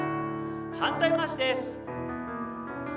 反対回しです。